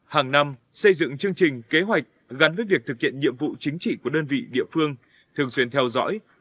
hàng năm xây dựng chương trình kế hoạch gắn với việc thực hiện nhiệm vụ chính trị của đơn vị địa phương